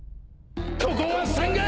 ここは３階！